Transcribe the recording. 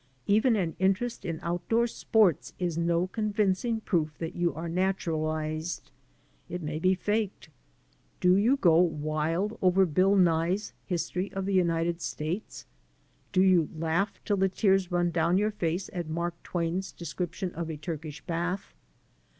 Even an interest in outdoor sports is no convincing proof that you are naturalized. It may be faked. Do you go wild over Bill Nye*s History of the United Stales? Do you laugh till the tears run down your face at Mark Twain*s description of a Turkish bath?